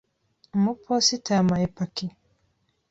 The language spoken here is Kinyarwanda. Umuposita yampaye paki?